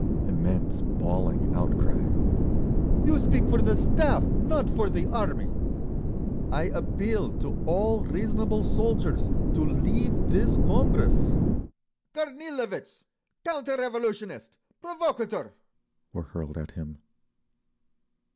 Immense bawling outcry. "You speak for the Staff—not for the Army!" "I appeal to all reasonable soldiers to leave this Congress!" "Kornilovitz! Counter revolutionist! Provocator!" were hurled at him.